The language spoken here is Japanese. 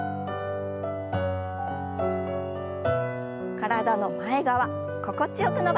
体の前側心地よく伸ばします。